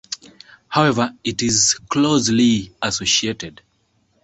However, it is closely associated.